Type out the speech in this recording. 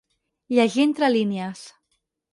Llegir entre línies.